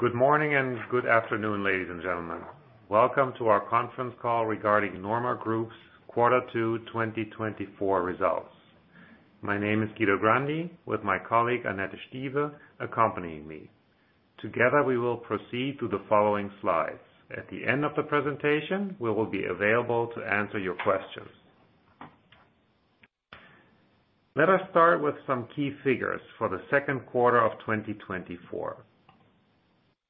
Good morning, and good afternoon, ladies and gentlemen. Welcome to our conference call regarding NORMA Group's quarter two 2024 results. My name is Guido Grandi, with my colleague, Annette Stieve, accompanying me. Together, we will proceed to the following slides. At the end of the presentation, we will be available to answer your questions. Let us start with some key figures for the second quarter of 2024.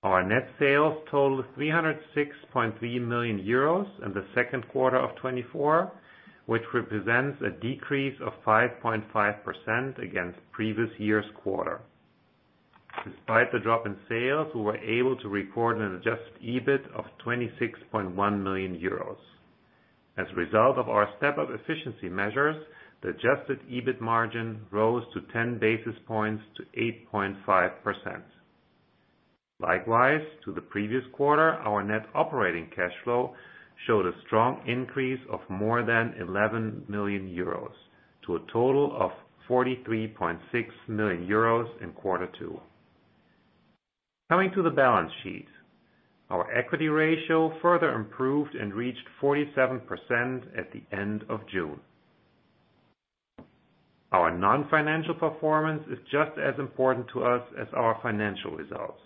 Our net sales totaled 306.3 million euros in the second quarter of 2024, which represents a decrease of 5.5% against previous year's quarter. Despite the drop in sales, we were able to record an Adjusted EBIT of 26.1 million euros. As a result of our Step Up efficiency measures, the Adjusted EBIT margin rose to 10 basis points to 8.5%. Likewise, to the previous quarter, our net operating cash flow showed a strong increase of more than 11 million euros to a total of 43.6 million euros in quarter two. Coming to the balance sheet, our equity ratio further improved and reached 47% at the end of June. Our non-financial performance is just as important to us as our financial results.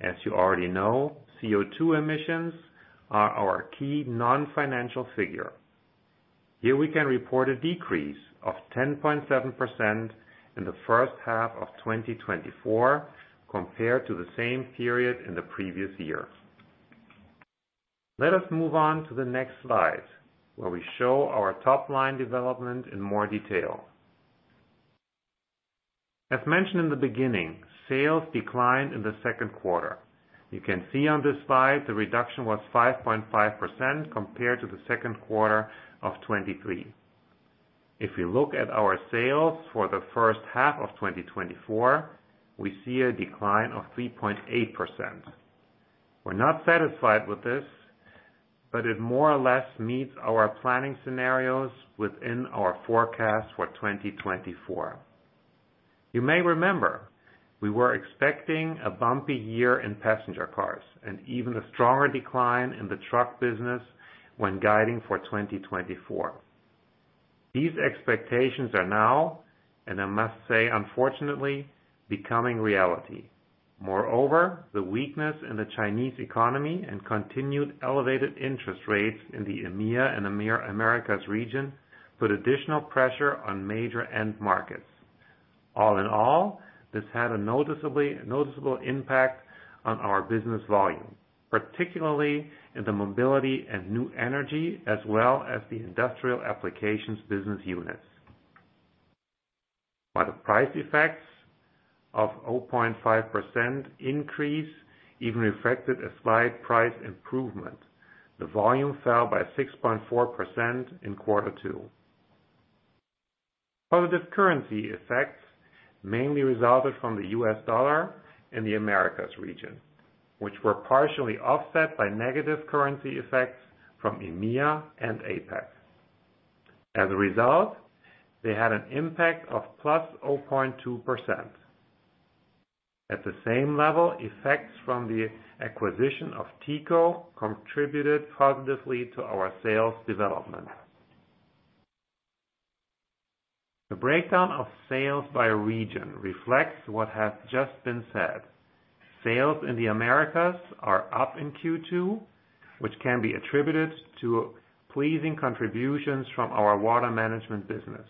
As you already know, CO2 emissions are our key non-financial figure. Here we can report a decrease of 10.7% in the first half of 2024, compared to the same period in the previous year. Let us move on to the next slide, where we show our top-line development in more detail. As mentioned in the beginning, sales declined in the second quarter. You can see on this slide, the reduction was 5.5% compared to the second quarter of 2023. If you look at our sales for the first half of 2024, we see a decline of 3.8%. We're not satisfied with this, but it more or less meets our planning scenarios within our forecast for 2024. You may remember, we were expecting a bumpy year in passenger cars and even a stronger decline in the truck business when guiding for 2024. These expectations are now, and I must say, unfortunately, becoming reality. Moreover, the weakness in the Chinese economy and continued elevated interest rates in the EMEA and Americas region, put additional pressure on major end markets. All in all, this had a noticeable impact on our business volume, particularly in the mobility and new energy, as well as the industrial applications business units. While the price effects of 0.5% increase even reflected a slight price improvement, the volume fell by 6.4% in quarter two. Positive currency effects mainly resulted from the US dollar in the Americas region, which were partially offset by negative currency effects from EMEA and APAC. As a result, they had an impact of +0.2%. At the same level, effects from the acquisition of Teco contributed positively to our sales development. The breakdown of sales by region reflects what has just been said. Sales in the Americas are up in Q2, which can be attributed to pleasing contributions from our water management business.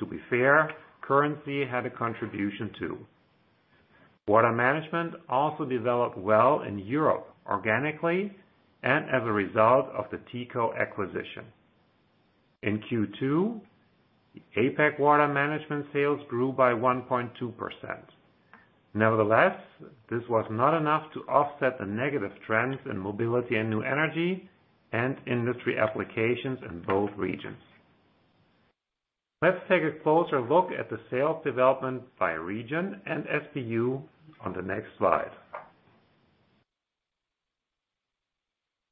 To be fair, currency had a contribution, too. Water management also developed well in Europe, organically, and as a result of the Teco acquisition. In Q2, the APAC water management sales grew by 1.2%. Nevertheless, this was not enough to offset the negative trends in mobility and new energy and industry applications in both regions. Let's take a closer look at the sales development by region and SBU on the next slide.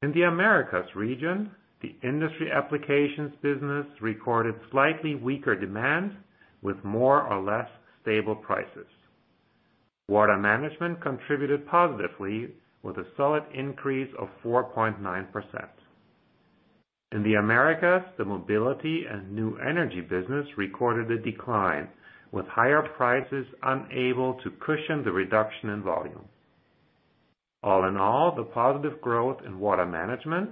In the Americas region, the industry applications business recorded slightly weaker demand with more or less stable prices. Water management contributed positively with a solid increase of 4.9%. In the Americas, the mobility and new energy business recorded a decline, with higher prices unable to cushion the reduction in volume. All in all, the positive growth in water management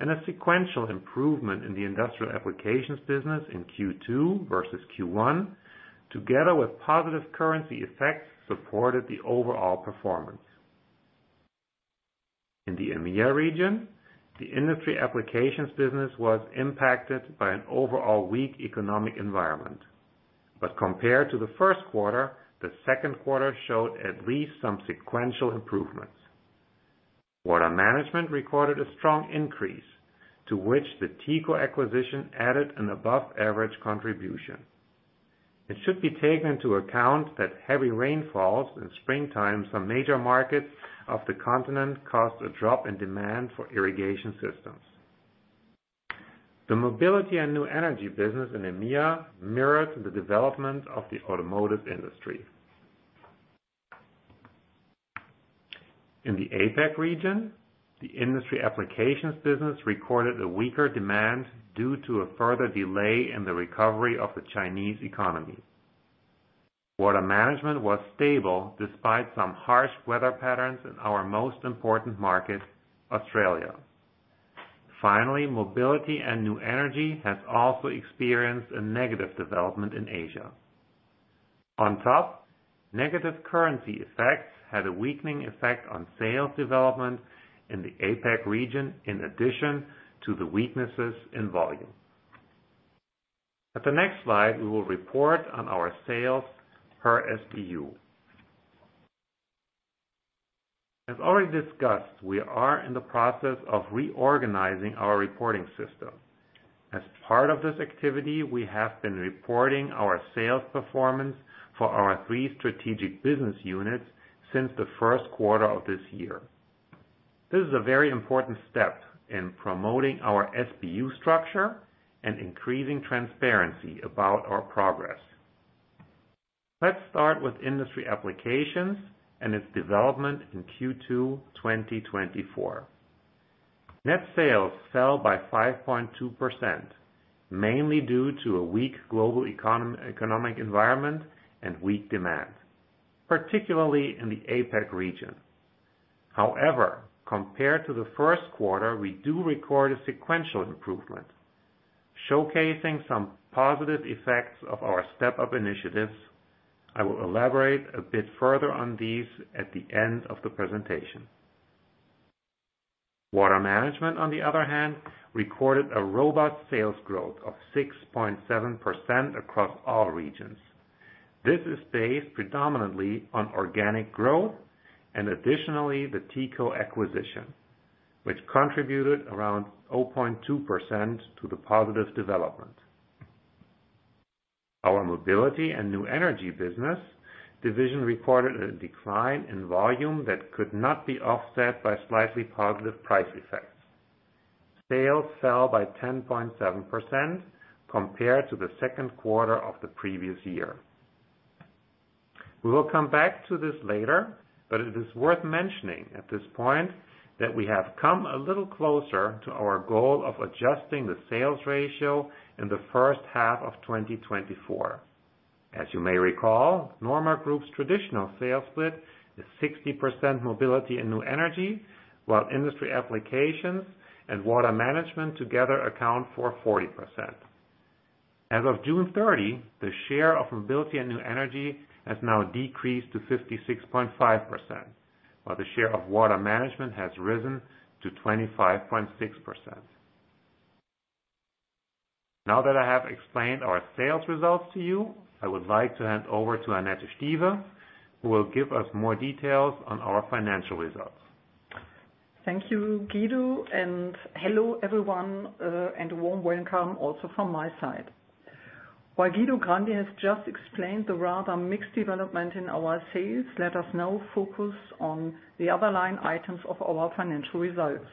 and a sequential improvement in the industrial applications business in Q2 versus Q1, together with positive currency effects, supported the overall performance. In the EMEA region, the industry applications business was impacted by an overall weak economic environment. Compared to the first quarter, the second quarter showed at least some sequential improvements. Water management recorded a strong increase, to which the Teco acquisition added an above-average contribution. It should be taken into account that heavy rainfalls in springtime, some major markets of the continent, caused a drop in demand for irrigation systems. The mobility and new energy business in EMEA mirrored the development of the automotive industry. In the APAC region, the industry applications business recorded a weaker demand due to a further delay in the recovery of the Chinese economy. Water management was stable despite some harsh weather patterns in our most important market, Australia. Finally, mobility and new energy has also experienced a negative development in Asia. On top, negative currency effects had a weakening effect on sales development in the APAC region, in addition to the weaknesses in volume. At the next slide, we will report on our sales per SBU. As already discussed, we are in the process of reorganizing our reporting system. As part of this activity, we have been reporting our sales performance for our three strategic business units since the first quarter of this year. This is a very important step in promoting our SBU structure and increasing transparency about our progress. Let's start with industry applications and its development in Q2 2024. Net sales fell by 5.2%, mainly due to a weak global economic environment and weak demand, particularly in the APAC region. However, compared to the first quarter, we do record a sequential improvement, showcasing some positive effects of our Step Up initiatives. I will elaborate a bit further on these at the end of the presentation. Water management, on the other hand, recorded a robust sales growth of 6.7% across all regions. This is based predominantly on organic growth and additionally, the Teco acquisition, which contributed around 0.2% to the positive development. Our mobility and new energy business division reported a decline in volume that could not be offset by slightly positive price effects. Sales fell by 10.7% compared to the second quarter of the previous year. We will come back to this later, but it is worth mentioning at this point that we have come a little closer to our goal of adjusting the sales ratio in the first half of 2024. As you may recall, NORMA Group's traditional sales split is 60% mobility and new energy, while industry applications and water management together account for 40%. As of June 30, the share of mobility and new energy has now decreased to 56.5%, while the share of water management has risen to 25.6%. Now that I have explained our sales results to you, I would like to hand over to Annette Stieve, who will give us more details on our financial results. Thank you, Guido, and hello, everyone, and a warm welcome also from my side. While Guido Grandi has just explained the rather mixed development in our sales, let us now focus on the other line items of our financial results,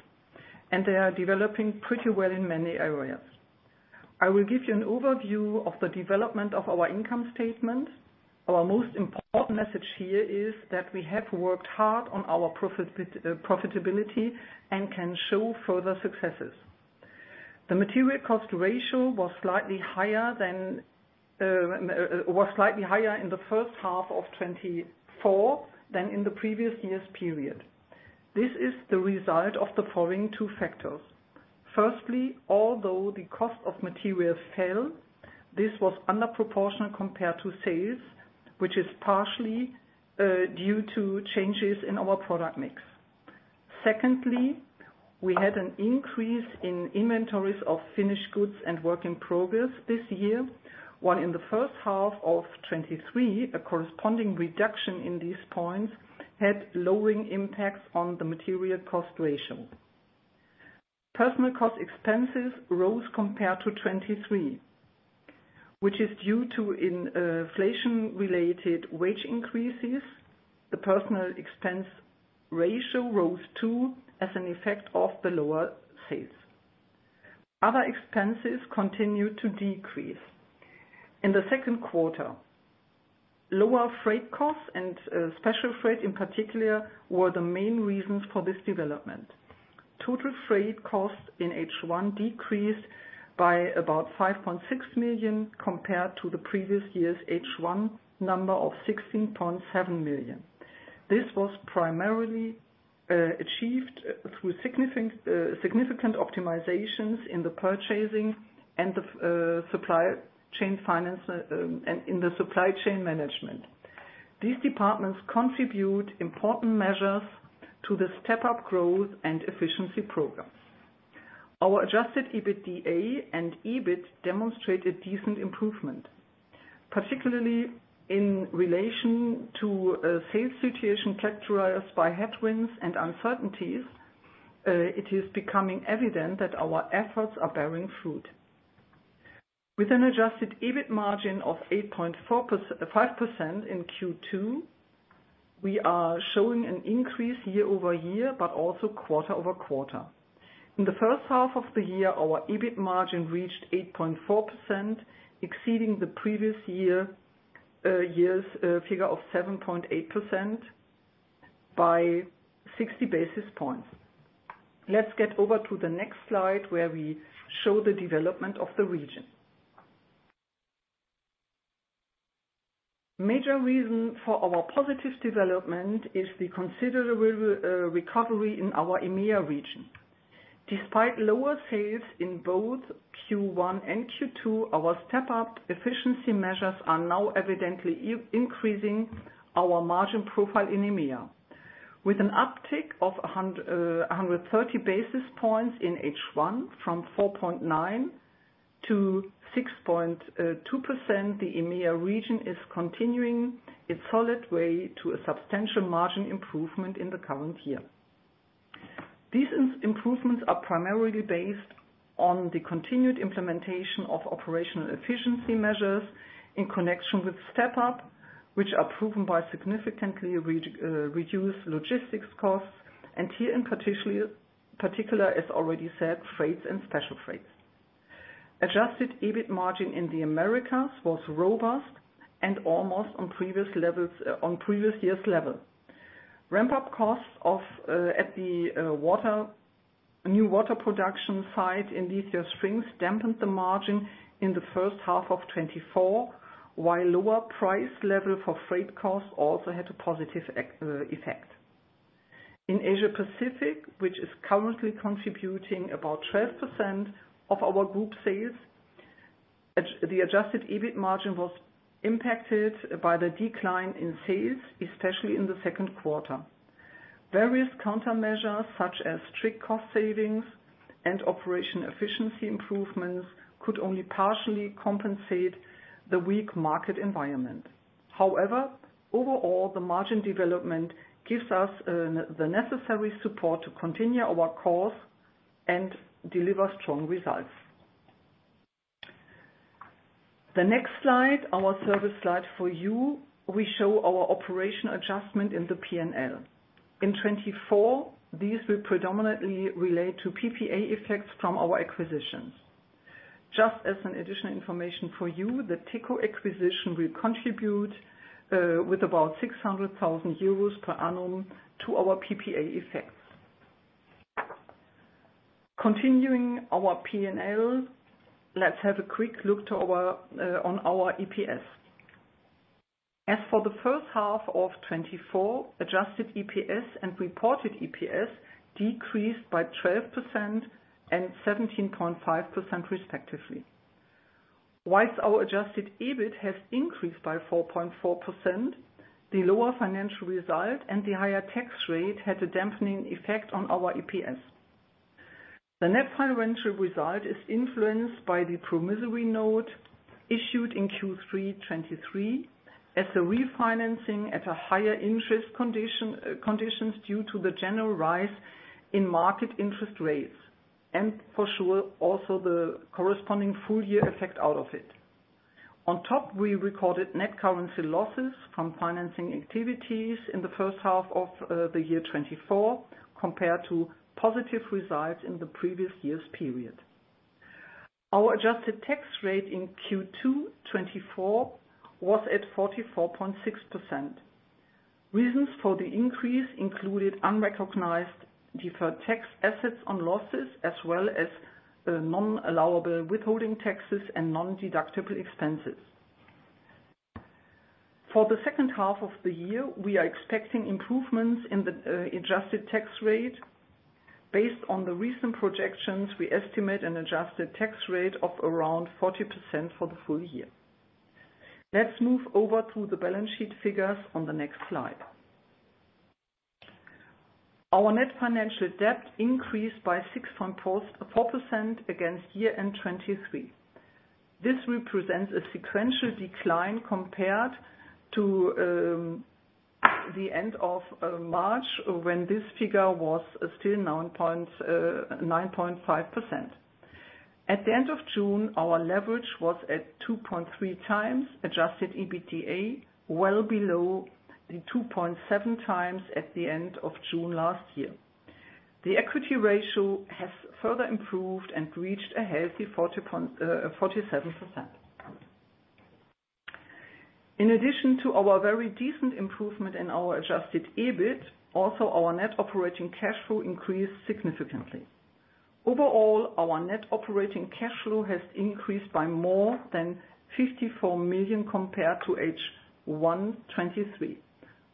and they are developing pretty well in many areas. I will give you an overview of the development of our income statement. Our most important message here is that we have worked hard on our profitability and can show further successes. The material cost ratio was slightly higher in the first half of 2024 than in the previous years' period. This is the result of the following two factors: firstly, although the cost of materials fell, this was disproportional compared to sales, which is partially due to changes in our product mix. Secondly, we had an increase in inventories of finished goods and work in progress this year, while in the first half of 2023, a corresponding reduction in these points had lowering impacts on the material cost ratio. Personnel cost expenses rose compared to 2023, which is due to inflation-related wage increases. The personnel expense ratio rose, too, as an effect of the lower sales. Other expenses continued to decrease. In the second quarter, lower freight costs and special freight in particular, were the main reasons for this development. Total freight costs in H1 decreased by about 5.6 million, compared to the previous year's H1 number of 16.7 million. This was primarily achieved through significant optimizations in the purchasing and the supply chain finance, and in the supply chain management. These departments contribute important measures to the Step Up growth and efficiency program. Our Adjusted EBITDA and EBIT demonstrated decent improvement, particularly in relation to a sales situation characterized by headwinds and uncertainties, it is becoming evident that our efforts are bearing fruit. With an Adjusted EBIT margin of 8.4%, 5% in Q2, we are showing an increase year-over-year, but also quarter-over-quarter. In the first half of the year, our EBIT margin reached 8.4%, exceeding the previous year's figure of 7.8% by 60 basis points. Let's get over to the next slide, where we show the development of the region. Major reason for our positive development is the considerable recovery in our EMEA region. Despite lower sales in both Q1 and Q2, our Step Up efficiency measures are now evidently increasing our margin profile in EMEA. With an uptick of 130 basis points in H1, from 4.9% to 6.2%, the EMEA region is continuing its solid way to a substantial margin improvement in the current year. These improvements are primarily based on the continued implementation of operational efficiency measures in connection with Step Up, which are proven by significantly reduced logistics costs, and here, in particular, as already said, freights and special freights. Adjusted EBIT margin in the Americas was robust and almost on previous levels, on previous year's level. Ramp-up costs at the new water production site in Lithia Springs dampened the margin in the first half of 2024, while lower price level for freight costs also had a positive effect. In Asia Pacific, which is currently contributing about 12% of our group sales, the adjusted EBIT margin was impacted by the decline in sales, especially in the second quarter. Various countermeasures, such as strict cost savings and operation efficiency improvements, could only partially compensate the weak market environment. However, overall, the margin development gives us the necessary support to continue our course and deliver strong results. The next slide, our service slide for you, we show our operational adjustment in the PNL. In 2024, these will predominantly relate to PPA effects from our acquisitions. Just as an additional information for you, the Teco acquisition will contribute with about 600,000 euros per annum to our PPA effects. Continuing our PNL, let's have a quick look to our on our EPS. As for the first half of 2024, adjusted EPS and reported EPS decreased by 12% and 17.5%, respectively. While our adjusted EBIT has increased by 4.4%, the lower financial result and the higher tax rate had a dampening effect on our EPS. The net financial result is influenced by the promissory note issued in Q3 2023 as a refinancing at a higher interest condition, conditions due to the general rise in market interest rates, and for sure, also the corresponding full year effect out of it. On top, we recorded net currency losses from financing activities in the first half of the year 2024, compared to positive results in the previous year's period. Our adjusted tax rate in Q2 2024 was at 44.6%. Reasons for the increase included unrecognized deferred tax assets on losses, as well as non-allowable withholding taxes and non-deductible expenses. For the second half of the year, we are expecting improvements in the adjusted tax rate. Based on the recent projections, we estimate an adjusted tax rate of around 40% for the full year. Let's move over to the balance sheet figures on the next slide. Our net financial debt increased by 6.44% against year-end 2023. This represents a sequential decline compared to the end of March, when this figure was still 9.95%. At the end of June, our leverage was at 2.3x Adjusted EBITDA, well below the 2.7x at the end of June last year. The equity ratio has further improved and reached a healthy 47%. In addition to our very decent improvement in our adjusted EBIT, also our net operating cash flow increased significantly. Overall, our net operating cash flow has increased by more than 54 million compared to H1 2023.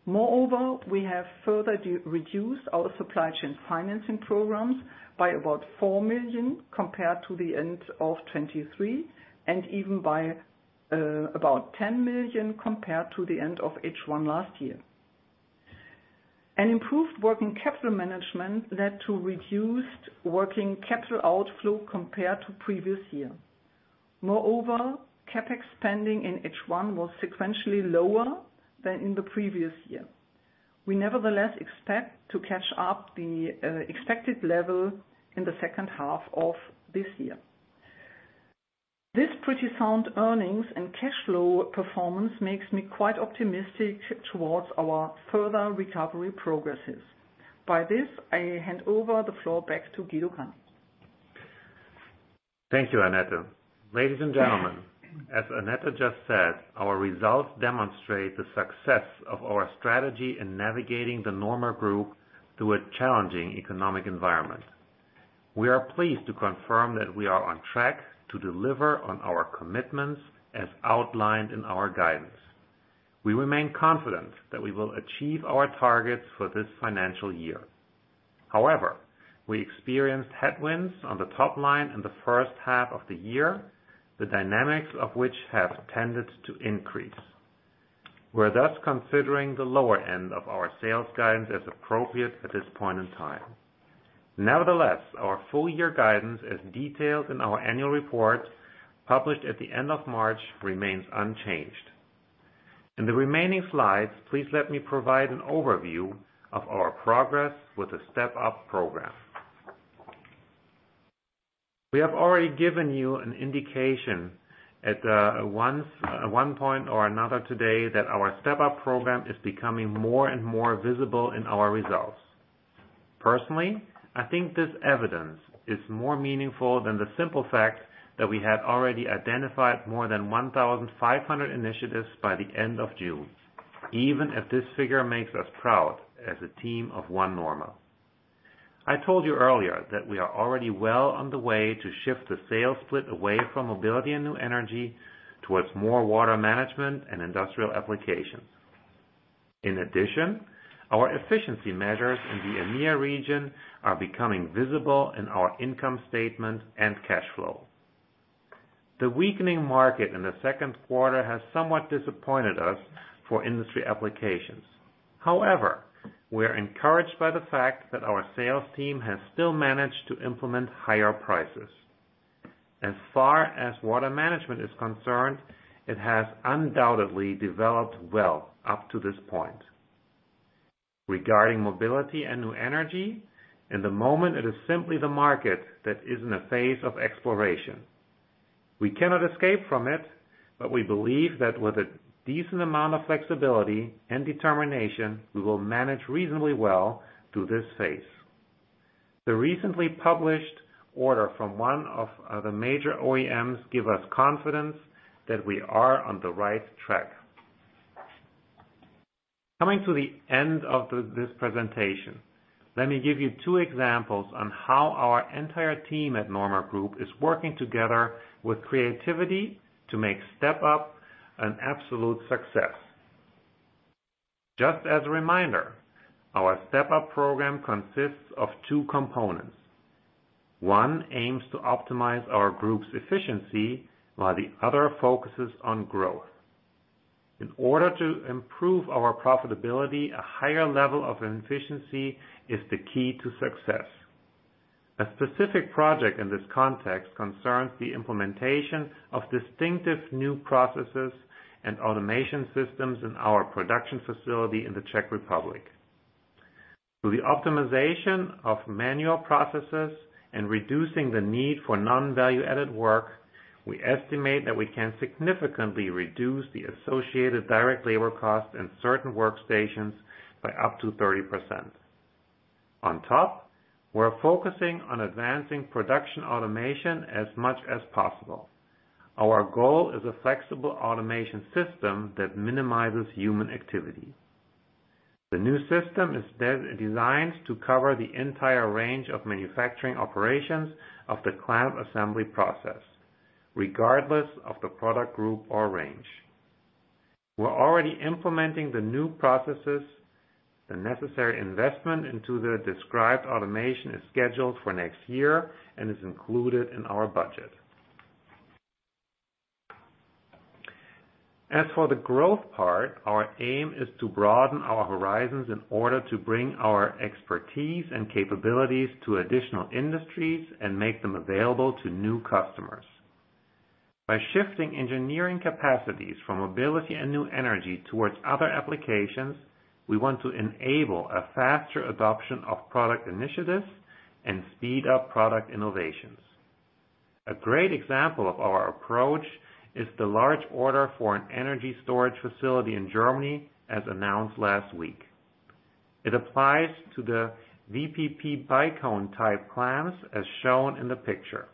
Moreover, we have further reduced our supply chain financing programs by about 4 million compared to the end of 2023, and even by about 10 million compared to the end of H1 last year. An improved working capital management led to reduced working capital outflow compared to previous year. Moreover, CapEx spending in H1 was sequentially lower than in the previous year. We nevertheless expect to catch up the expected level in the second half of this year. This pretty sound earnings and cash flow performance makes me quite optimistic towards our further recovery progresses. By this, I hand over the floor back to Guido Grandi. Thank you, Annette. Ladies and gentlemen, as Annette just said, our results demonstrate the success of our strategy in navigating the NORMA Group through a challenging economic environment. We are pleased to confirm that we are on track to deliver on our commitments as outlined in our guidance. We remain confident that we will achieve our targets for this financial year. However, we experienced headwinds on the top line in the first half of the year, the dynamics of which have tended to increase. We're thus considering the lower end of our sales guidance as appropriate at this point in time. Nevertheless, our full year guidance, as detailed in our annual report, published at the end of March, remains unchanged. In the remaining slides, please let me provide an overview of our progress with the Step Up program. We have already given you an indication at one point or another today, that our Step Up program is becoming more and more visible in our results. Personally, I think this evidence is more meaningful than the simple fact that we had already identified more than 1,500 initiatives by the end of June, even if this figure makes us proud as a team of one NORMA. I told you earlier that we are already well on the way to shift the sales split away from mobility and new energy towards more water management and industrial applications. In addition, our efficiency measures in the EMEA region are becoming visible in our income statement and cash flow. The weakening market in the second quarter has somewhat disappointed us for industry applications. However, we are encouraged by the fact that our sales team has still managed to implement higher prices. As far as water management is concerned, it has undoubtedly developed well up to this point. Regarding mobility and new energy, in the moment, it is simply the market that is in a phase of exploration. We cannot escape from it, but we believe that with a decent amount of flexibility and determination, we will manage reasonably well through this phase. The recently published order from one of the major OEMs gives us confidence that we are on the right track. Coming to the end of this presentation, let me give you two examples on how our entire team at NORMA Group is working together with creativity to make Step Up an absolute success. Just as a reminder, our Step Up program consists of two components: One aims to optimize our group's efficiency, while the other focuses on growth. In order to improve our profitability, a higher level of efficiency is the key to success. A specific project in this context concerns the implementation of distinctive new processes and automation systems in our production facility in the Czech Republic. Through the optimization of manual processes and reducing the need for non-value-added work, we estimate that we can significantly reduce the associated direct labor costs in certain workstations by up to 30%. On top, we're focusing on advancing production automation as much as possible. Our goal is a flexible automation system that minimizes human activity. The new system is designed to cover the entire range of manufacturing operations of the clamp assembly process, regardless of the product group or range. We're already implementing the new processes. The necessary investment into the described automation is scheduled for next year and is included in our budget. As for the growth part, our aim is to broaden our horizons in order to bring our expertise and capabilities to additional industries and make them available to new customers. By shifting engineering capacities from mobility and new energy towards other applications, we want to enable a faster adoption of product initiatives and speed up product innovations. A great example of our approach is the large order for an energy storage facility in Germany, as announced last week. It applies to the VPP Bi-Cone type clamps, as shown in the picture,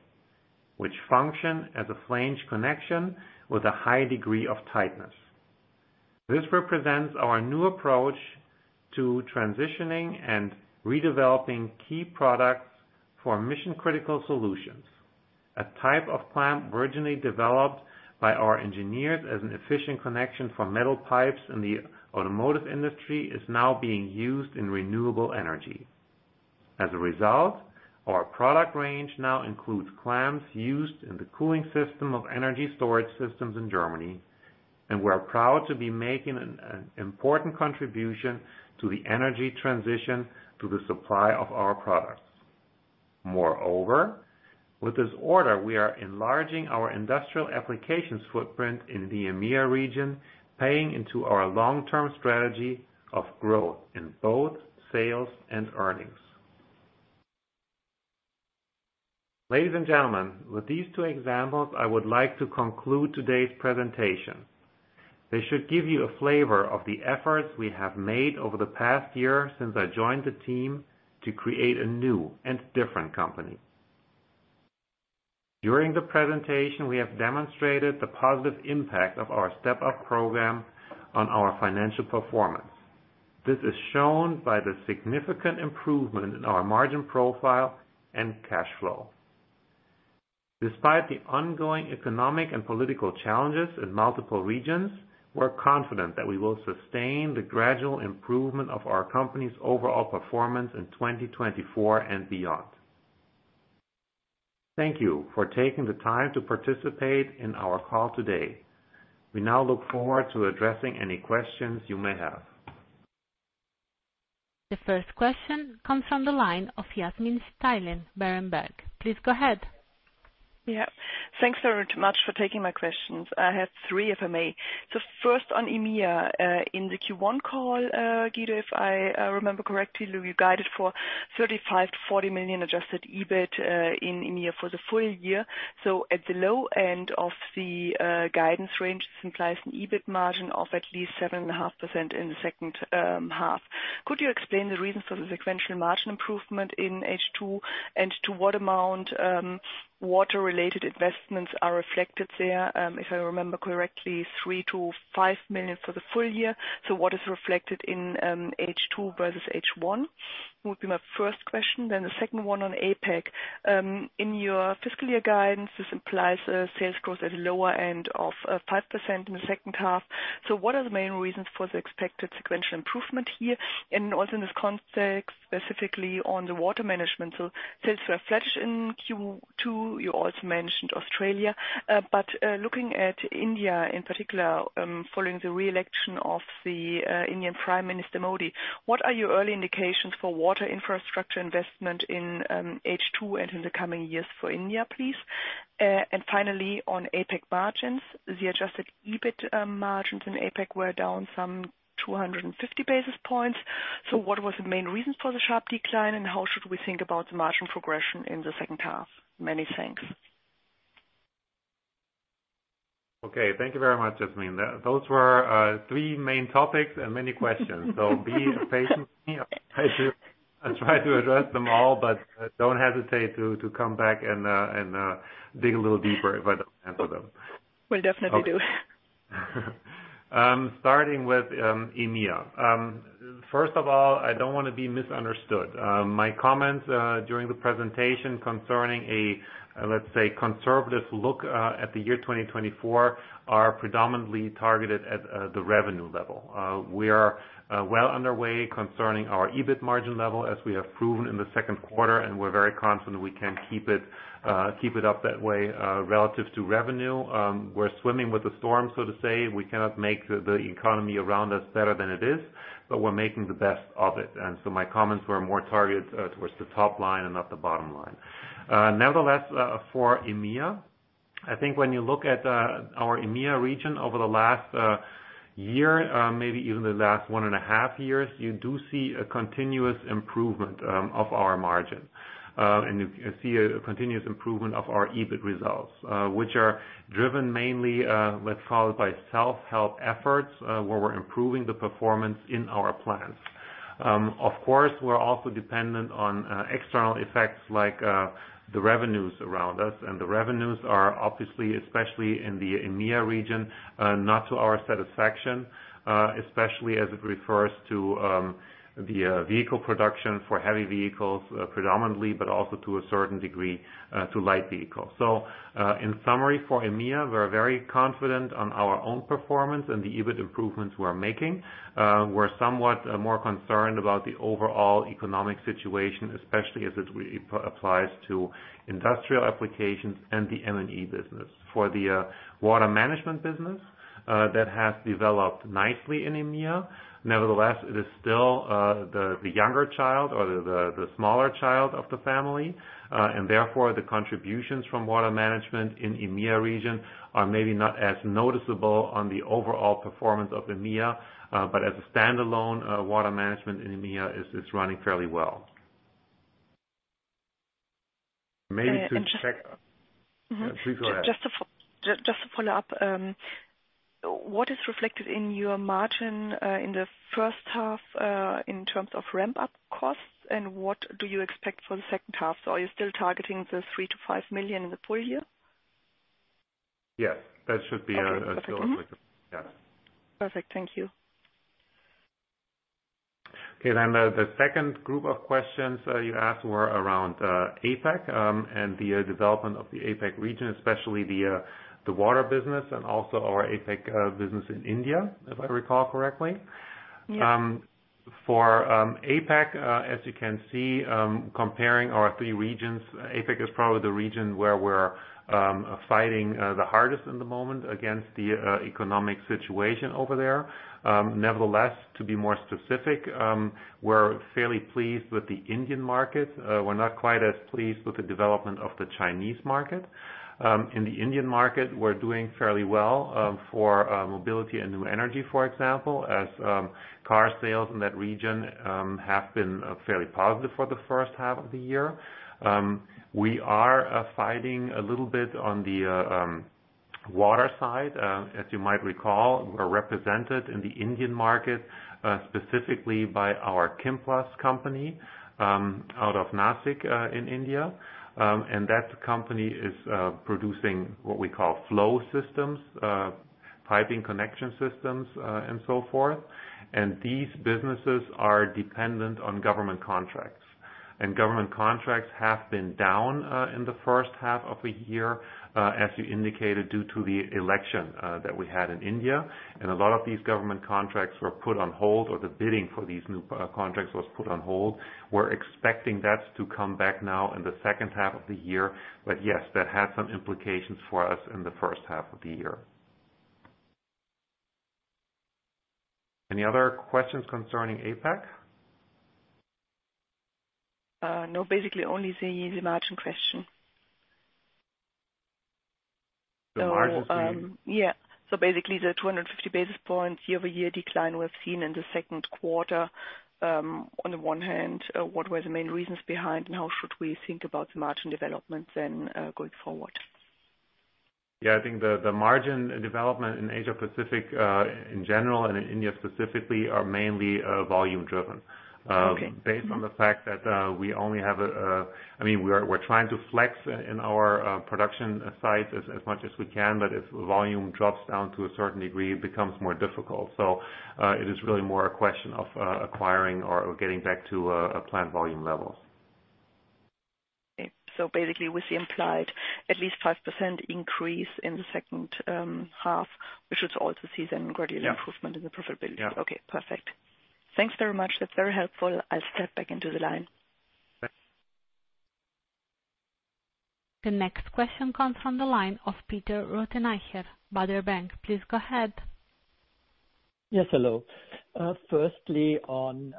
which function as a flange connection with a high degree of tightness. This represents our new approach to transitioning and redeveloping key products for mission-critical solutions. A type of clamp originally developed by our engineers as an efficient connection for metal pipes in the automotive industry, is now being used in renewable energy. As a result, our product range now includes clamps used in the cooling system of energy storage systems in Germany, and we are proud to be making an important contribution to the energy transition to the supply of our products.... Moreover, with this order, we are enlarging our industrial applications footprint in the EMEA region, paying into our long-term strategy of growth in both sales and earnings. Ladies and gentlemen, with these two examples, I would like to conclude today's presentation. They should give you a flavor of the efforts we have made over the past year since I joined the team, to create a new and different company. During the presentation, we have demonstrated the positive impact of our Step Up program on our financial performance. This is shown by the significant improvement in our margin profile and cash flow. Despite the ongoing economic and political challenges in multiple regions, we're confident that we will sustain the gradual improvement of our company's overall performance in 2024 and beyond. Thank you for taking the time to participate in our call today. We now look forward to addressing any questions you may have. The first question comes from the line of Yasmin Steilen, Berenberg. Please go ahead. Yeah. Thanks very much for taking my questions. I have three, if I may. So first on EMEA, in the Q1 call, Guido, if I remember correctly, you guided for 35 million-40 million Adjusted EBIT in EMEA for the full year. So at the low end of the guidance range, this implies an EBIT margin of at least 7.5% in the second half. Could you explain the reasons for the sequential margin improvement in H2? And to what amount water-related investments are reflected there? If I remember correctly, 3 million-5 million for the full year. So what is reflected in H2 versus H1 would be my first question, then the second one on APAC. In your fiscal year guidance, this implies a sales growth at the lower end of 5% in the second half. So what are the main reasons for the expected sequential improvement here? And also in this context, specifically on the water management, so sales were flatish in Q2. You also mentioned Australia, but looking at India in particular, following the re-election of the Indian Prime Minister Modi, what are your early indications for water infrastructure investment in H2 and in the coming years for India, please? And finally, on APAC margins, the adjusted EBIT margins in APAC were down some 250 basis points. So what was the main reason for the sharp decline, and how should we think about the margin progression in the second half? Many thanks. Okay, thank you very much, Jasmin. Those were three main topics and many questions. So be patient with me. I'll try to address them all, but don't hesitate to come back and dig a little deeper if I don't answer them. Will definitely do. Starting with EMEA. First of all, I don't want to be misunderstood. My comments during the presentation concerning a, let's say, conservative look at the year 2024 are predominantly targeted at the revenue level. We are well underway concerning our EBIT margin level, as we have proven in the second quarter, and we're very confident we can keep it, keep it up that way, relative to revenue. We're swimming with the storm, so to say. We cannot make the economy around us better than it is, but we're making the best of it. So my comments were more targeted towards the top line and not the bottom line. Nevertheless, for EMEA, I think when you look at our EMEA region over the last year, maybe even the last one and a half years, you do see a continuous improvement of our margin. And you can see a continuous improvement of our EBIT results, which are driven mainly, let's call it, by self-help efforts, where we're improving the performance in our plants. Of course, we're also dependent on external effects like the revenues around us, and the revenues are obviously, especially in the EMEA region, not to our satisfaction, especially as it refers to the vehicle production for heavy vehicles, predominantly, but also to a certain degree to light vehicles. So, in summary, for EMEA, we're very confident on our own performance and the EBIT improvements we're making. We're somewhat more concerned about the overall economic situation, especially as it relates to industrial applications and the M&E business. For the water management business, that has developed nicely in EMEA. Nevertheless, it is still the younger child or the smaller child of the family. And therefore, the contributions from water management in EMEA region are maybe not as noticeable on the overall performance of EMEA, but as a standalone, water management in EMEA is running fairly well. Maybe to check- Please go ahead. Just to follow up, what is reflected in your margin, in the first half, in terms of ramp-up costs, and what do you expect for the second half? So are you still targeting 3 million-5 million in the full year? Yes, that should be still applicable. Yeah. Perfect. Thank you. Okay, then, the second group of questions you asked were around APAC and the development of the APAC region, especially the water business and also our APAC business in India, if I recall correctly? Yes. For APAC, as you can see, comparing our three regions, APAC is probably the region where we're fighting the hardest in the moment against the economic situation over there. Nevertheless, to be more specific, we're fairly pleased with the Indian market. We're not quite as pleased with the development of the Chinese market. In the Indian market, we're doing fairly well, for mobility and new energy, for example, as car sales in that region have been fairly positive for the first half of the year. We are fighting a little bit on the water side. As you might recall, we're represented in the Indian market, specifically by our Kimplas company, out of Nashik, in India. That company is producing what we call flow systems, piping connection systems, and so forth. These businesses are dependent on government contracts, and government contracts have been down in the first half of the year, as you indicated, due to the election that we had in India. A lot of these government contracts were put on hold, or the bidding for these new contracts was put on hold. We're expecting that to come back now in the second half of the year, but yes, that had some implications for us in the first half of the year. Any other questions concerning APAC? No, basically only the margin question. The margin being? So, yeah. So basically, the 250 basis points year-over-year decline we've seen in the second quarter. On the one hand, what were the main reasons behind, and how should we think about the margin development then, going forward? Yeah, I think the margin development in Asia Pacific, in general, and in India specifically, are mainly volume-driven. Okay. Based on the fact that we only have a... I mean, we're trying to flexibility in our production sites as much as we can, but if volume drops down to a certain degree, it becomes more difficult. So, it is really more a question of acquiring or getting back to a planned volume levels. Okay. Basically, with the implied at least 5% increase in the second half, we should also see then gradual improvement in the profitability. Yeah. Okay, perfect. Thanks very much. That's very helpful. I'll step back into the line. Thanks. The next question comes from the line of Peter Rothenaicher, Baader Bank. Please go ahead. Yes, hello. Firstly on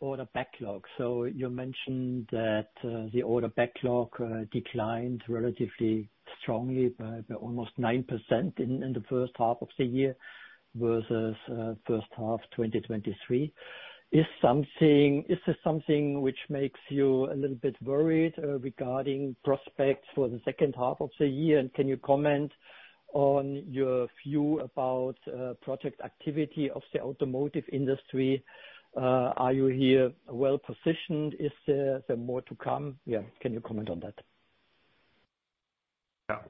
order backlog. So you mentioned that the order backlog declined relatively strongly by almost 9% in the first half of the year versus first half 2023. Is something- is this something which makes you a little bit worried regarding prospects for the second half of the year? And can you comment on your view about project activity of the automotive industry? Are you here well positioned? Is there more to come? Yeah, can you comment on that? Yeah.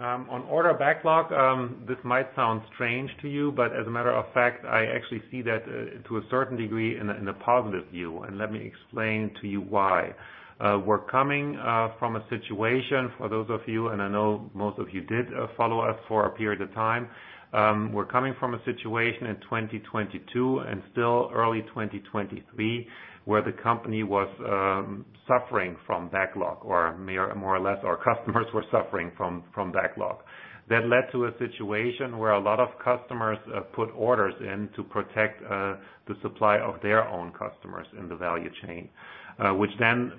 On order backlog, this might sound strange to you, but as a matter of fact, I actually see that, to a certain degree in a positive view, and let me explain to you why. We're coming from a situation for those of you, and I know most of you did follow us for a period of time. We're coming from a situation in 2022 and still early 2023, where the company was suffering from backlog, or more or less, our customers were suffering from backlog. That led to a situation where a lot of customers put orders in to protect the supply of their own customers in the value chain. Which then,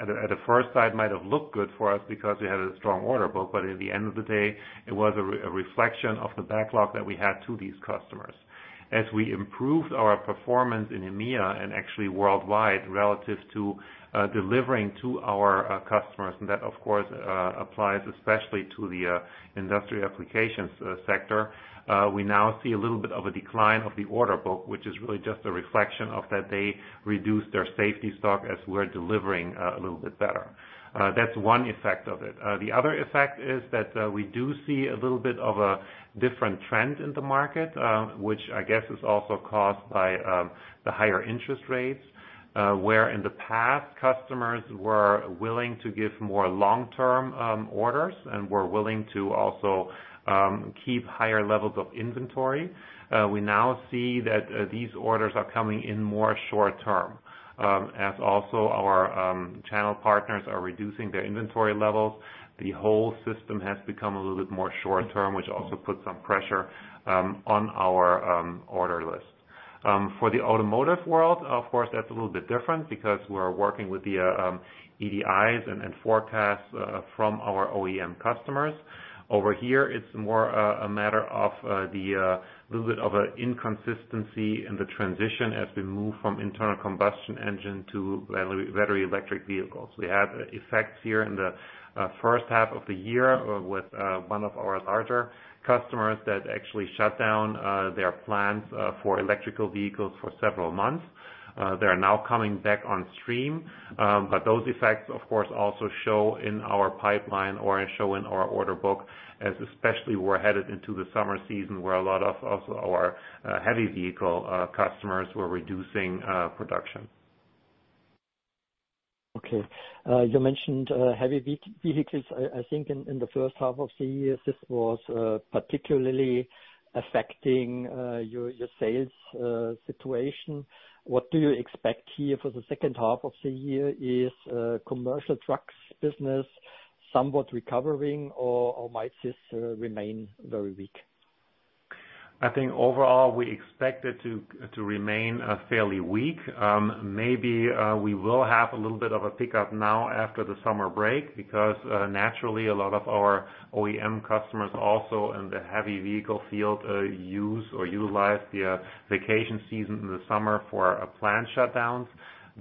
at a first sight, might have looked good for us because we had a strong order book, but at the end of the day, it was a reflection of the backlog that we had to these customers. As we improved our performance in EMEA and actually worldwide, relative to delivering to our customers, and that, of course, applies especially to the industry applications sector. We now see a little bit of a decline of the order book, which is really just a reflection of that they reduced their safety stock as we're delivering a little bit better. That's one effect of it. The other effect is that we do see a little bit of a different trend in the market, which I guess is also caused by the higher interest rates. Where in the past, customers were willing to give more long-term orders and were willing to also keep higher levels of inventory. We now see that these orders are coming in more short term, as also our channel partners are reducing their inventory levels. The whole system has become a little bit more short term, which also puts some pressure on our order list. For the automotive world, of course, that's a little bit different because we're working with the EDIs and forecasts from our OEM customers. Over here, it's more a matter of the little bit of a inconsistency in the transition as we move from internal combustion engine to battery electric vehicles. We had effects here in the first half of the year with one of our larger customers that actually shut down their plans for electrical vehicles for several months. They are now coming back on stream, but those effects, of course, also show in our pipeline or show in our order book, as especially we're headed into the summer season, where a lot of our heavy vehicle customers were reducing production. Okay. You mentioned heavy vehicles. I think in the first half of the year, this was particularly affecting your sales situation. What do you expect here for the second half of the year? Is commercial trucks business somewhat recovering, or might this remain very weak? I think overall, we expect it to remain fairly weak. Maybe we will have a little bit of a pickup now after the summer break, because naturally, a lot of our OEM customers, also in the heavy vehicle field, use or utilize the vacation season in the summer for plant shutdowns.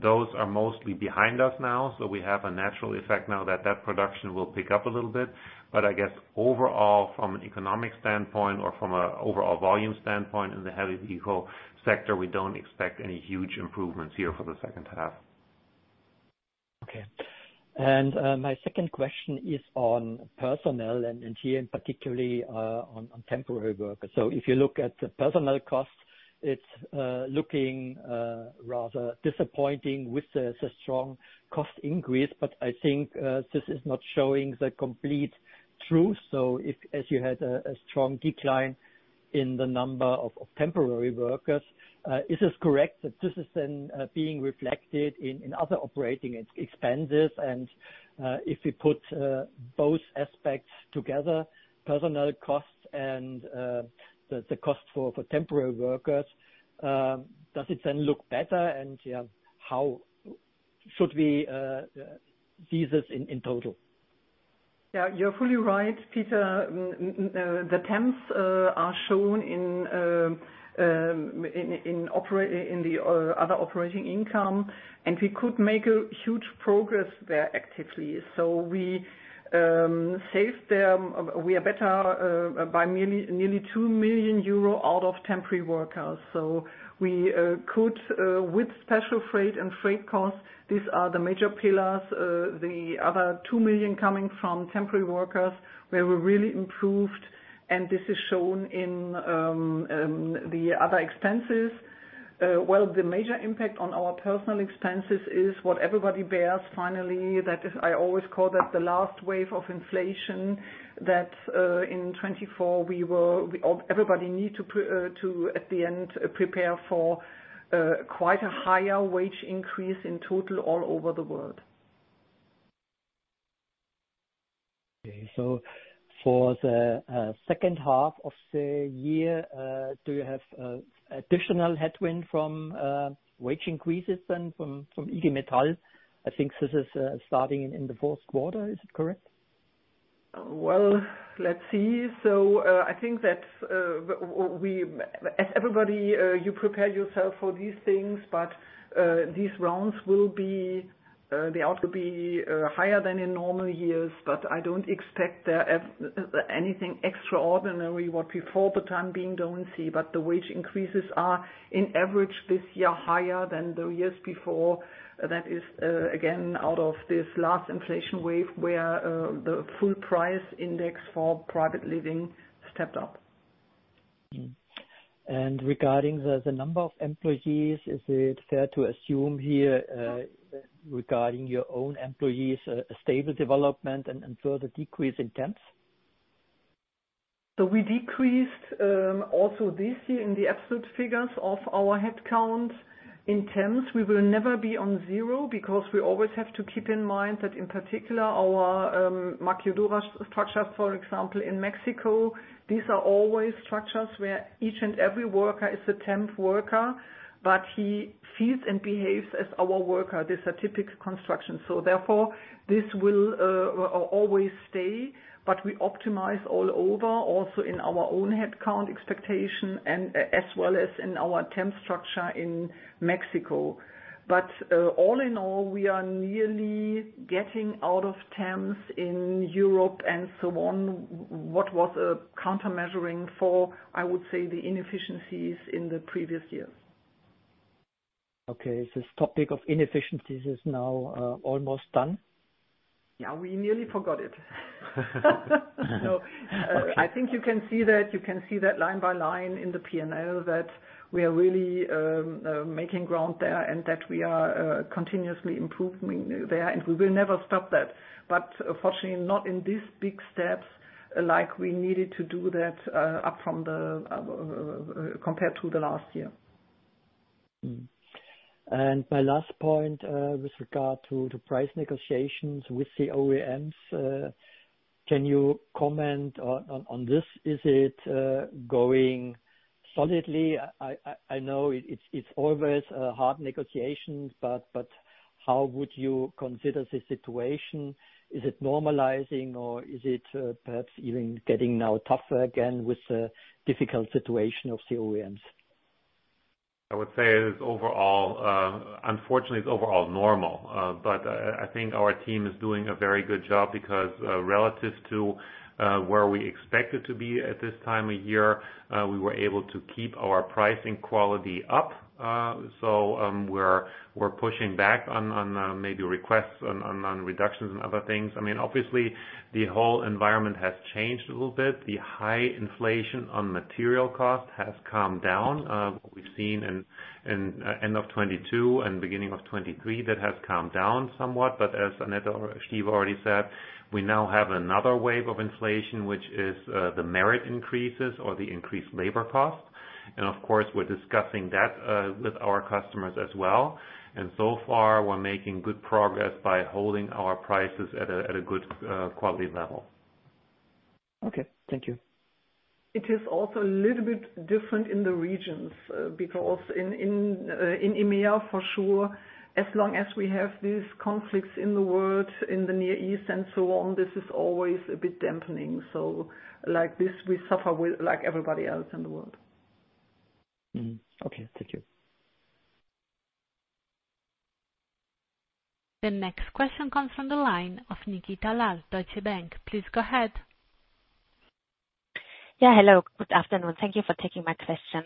Those are mostly behind us now, so we have a natural effect now that production will pick up a little bit. But I guess overall, from an economic standpoint or from a overall volume standpoint in the heavy vehicle sector, we don't expect any huge improvements here for the second half. Okay. And my second question is on personnel, and here, particularly, on temporary workers. So if you look at the personnel costs, it's looking rather disappointing with the strong cost increase. But I think this is not showing the complete truth, so if as you had a strong decline in the number of temporary workers, is this correct, that this is then being reflected in other operating expenses? And if you put both aspects together, personnel costs and the cost for temporary workers, does it then look better? And yeah, how should we see this in total? Yeah, you're fully right, Peter. The temps are shown in the other operating income, and we could make a huge progress there actively. So we saved, we are better by nearly 2 million euro out of temporary workers. So we could with special freight and freight costs, these are the major pillars. The other 2 million coming from temporary workers, where we really improved, and this is shown in the other expenses. Well, the major impact on our personnel expenses is what everybody bears finally, that is, I always call that the last wave of inflation, that in 2024, we will, we all everybody need to prepare for quite a higher wage increase in total all over the world. Okay. So for the second half of the year, do you have additional headwind from wage increases then from IG Metall? I think this is starting in the fourth quarter, is it correct? Well, let's see. So, I think that, we, as everybody, you prepare yourself for these things, but, these rounds will be, they ought to be, higher than in normal years, but I don't expect there, anything extraordinary what we for the time being don't see. But the wage increases are, in average this year, higher than the years before. That is, again, out of this last inflation wave, where, the full price index for private living stepped up. Regarding the number of employees, is it fair to assume here, regarding your own employees, a stable development and further decrease in temps? So we decreased also this year in the absolute figures of our headcount in temps. We will never be on zero, because we always have to keep in mind that, in particular, our Maquiladora structures, for example, in Mexico, these are always structures where each and every worker is a temp worker, but he feels and behaves as our worker. This a typical construction. So therefore, this will always stay, but we optimize all over, also in our own headcount expectation and as well as in our temp structure in Mexico. But all in all, we are nearly getting out of temps in Europe and so on, what was a countermeasuring for, I would say, the inefficiencies in the previous years. Okay, this topic of inefficiencies is now almost done? Yeah, we nearly forgot it. So, Okay. I think you can see that, you can see that line by line in the P&L, that we are really making ground there, and that we are continuously improving there, and we will never stop that. But fortunately, not in this big steps, like we needed to do that, up from the compared to the last year. My last point, with regard to the price negotiations with the OEMs, can you comment on this? Is it going solidly? I know it's always a hard negotiation, but how would you consider the situation? Is it normalizing, or is it perhaps even getting now tougher again with the difficult situation of the OEMs? I would say it is overall, unfortunately, it's overall normal. But I, I think our team is doing a very good job, because relative to where we expected to be at this time of year, we were able to keep our pricing quality up. So, we're, we're pushing back on maybe requests on reductions and other things. I mean, obviously, the whole environment has changed a little bit. The high inflation on material cost has come down. We've seen in end of 2022 and beginning of 2023, that has come down somewhat. But as Annette or she already said, we now have another wave of inflation, which is the merit increases or the increased labor costs. And of course, we're discussing that with our customers as well. So far, we're making good progress by holding our prices at a good quality level. Okay, thank you. It is also a little bit different in the regions, because in EMEA, for sure, as long as we have these conflicts in the world, in the Near East and so on, this is always a bit dampening. So like this, we suffer with like everybody else in the world. Okay. Thank you. The next question comes from the line of Nikita Lal, Deutsche Bank. Please go ahead. Yeah, hello. Good afternoon. Thank you for taking my question.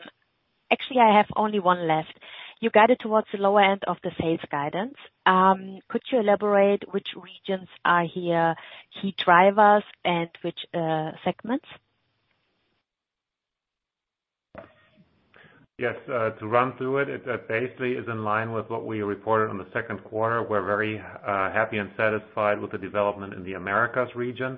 Actually, I have only one left. You guided towards the lower end of the sales guidance. Could you elaborate which regions are here key drivers and which segments? Yes, to run through it, it basically is in line with what we reported on the second quarter. We're very happy and satisfied with the development in the Americas region.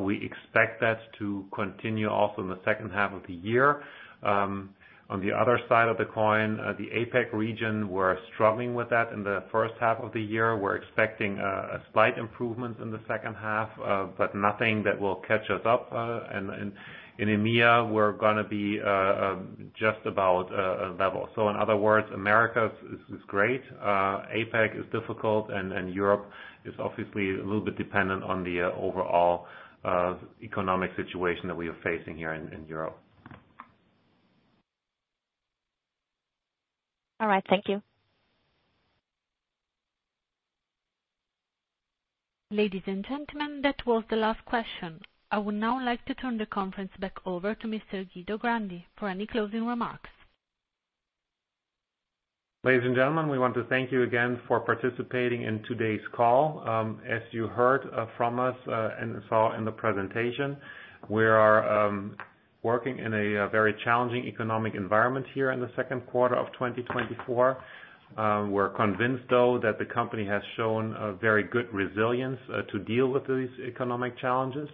We expect that to continue also in the second half of the year. On the other side of the coin, the APAC region, we're struggling with that in the first half of the year. We're expecting a slight improvement in the second half, but nothing that will catch us up. And in EMEA, we're gonna be just about a level. So in other words, Americas is great, APAC is difficult, and Europe is obviously a little bit dependent on the overall economic situation that we are facing here in Europe. All right. Thank you. Ladies and gentlemen, that was the last question. I would now like to turn the conference back over to Mr. Guido Grandi for any closing remarks. Ladies and gentlemen, we want to thank you again for participating in today's call. As you heard from us and saw in the presentation, we are working in a very challenging economic environment here in the second quarter of 2024. We're convinced, though, that the company has shown a very good resilience to deal with these economic challenges,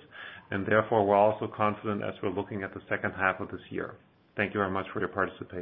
and therefore, we're also confident as we're looking at the second half of this year. Thank you very much for your participation.